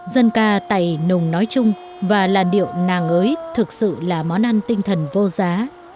dân ca tài nùng nói chung và làn điệu nàng ngới thực sự là món ăn tinh thần vô giá